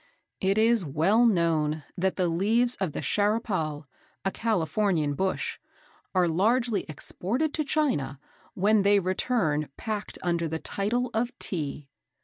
It is well known that the leaves of the Charrapal, a Californian bush, are largely exported to China, when they return packed under the title of Tea.